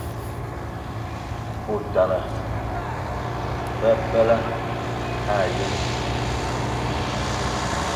Otana, babǝla a ayǝlə.